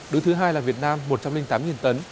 đứng thứ hai là việt nam một trăm linh tám tấn